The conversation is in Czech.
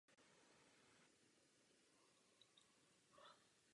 Viktor Orbán jako předseda maďarské vlády pošlapal základní demokratické principy.